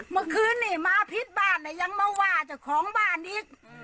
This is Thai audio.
เมื่อคืนนี้มาพิษบ้านยังมาว่าเจ้าของบ้านอีก